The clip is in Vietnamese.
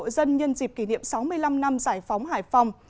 các hộ dân nhân dịp kỷ niệm sáu mươi năm năm giải phóng hải phòng